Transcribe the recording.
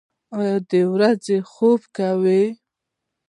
ایا د ورځې خوب کوئ؟